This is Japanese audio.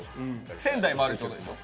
仙台もあるってことでしょ？